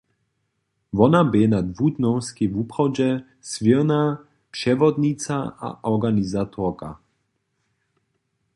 Wona bě na dwudnjowskej wuprawje swěrna přewodnica a organizatorka.